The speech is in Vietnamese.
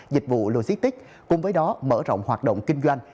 dịch vụ logistics cùng với đó mở rộng hoạt động kinh doanh